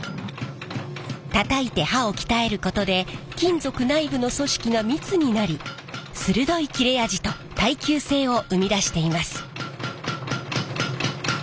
たたいて刃を鍛えることで金属内部の組織が密になり鋭い切れ味と耐久性を生み出しています。